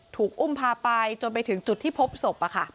ถูกอุ้มพาไปจนไปถึงจุดที่พบศพ